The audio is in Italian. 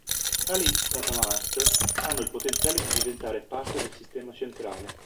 Tali "data mart" hanno il potenziale di diventare parte del sistema centrale.